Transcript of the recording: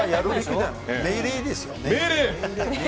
命令ですよ。